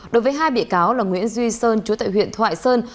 đối với hai bị cáo là nguyễn duy sơn chú tại huyện thoại sơn